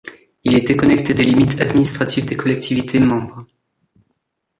Il est déconnecté des limites administratives des collectivités membres.